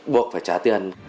buộc phải trả tiền